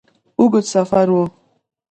اوږد سفر وو.